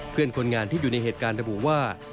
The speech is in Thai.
เพื่อนคนงานที่อยู่ในเหตุการณ์ระบุว่า